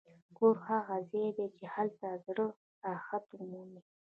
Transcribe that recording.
کور هغه ځای دی چې هلته زړه راحت مومي.